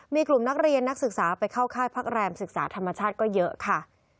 มีกลุ่มนักเรียนนักศึกษาไปเข้าค่ายพักแรมศึกษาธรรมชาติก็เยอะค่ะ